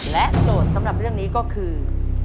โจทย์สำหรับเรื่องนี้ก็คือ